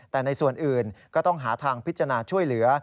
แต่ในส่วนอื่นก็ต้องหาทางพิจารณาช่วยเหลือ